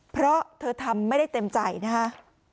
เพราะเธอทำไม่ได้เต็มใจนะฮะ